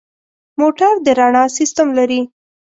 موټر د رڼا سیستم لري.